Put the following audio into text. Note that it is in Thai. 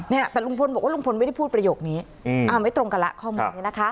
เนี่ยแต่ลุงพลบอกว่าลุงพลไม่ได้พูดประโยคนี้ไม่ตรงกันแล้วข้อมูลนี้นะคะ